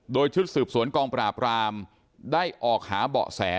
โดยชุดสืบสวนกองปราบรามได้ออกหาเบาะแส